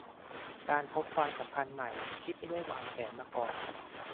การพบความสัมพันธ์ใหม่ที่ไม่ได้วางแผนมาก่อน